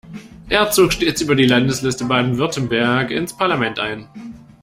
Er zog stets über die Landesliste Baden-Württemberg ins Parlament ein.